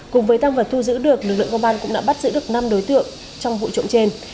cùng với tăng vật thu giữ được lực lượng công an cũng đã bắt giữ được năm đối tượng trong vụ trộm trên